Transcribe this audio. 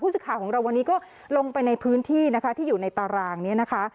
สื่อข่าวของเราวันนี้ก็ลงไปในพื้นที่นะคะที่อยู่ในตารางนี้นะคะ